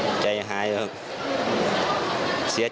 เราไปช่วยคุณหนึ่งสักหน้าปีแล้วเห็นภาพแบบนี้